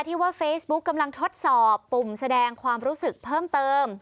ที่ว่าเฟซบุ๊กกำลังทดสอบปุ่มแสดงความรู้สึกเพิ่มเติม